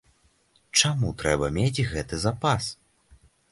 Чаму трэба мець гэты запас?